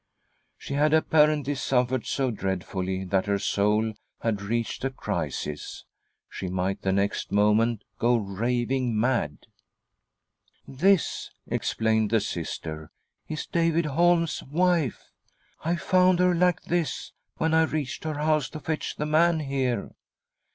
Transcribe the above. She had apparently suffered . so dreadfully that her soul had reached a crisis ; she might the next moment go raving : mad. " This," explained the Sister, " is David Holm's wife. I found her 'like this when I reached her house to fetch the man here.